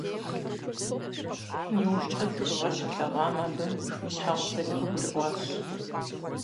ИужькӀэ тхыгъэр щилъэгъуам абы и щхьэусыгъуэри къыгурыӀуащ.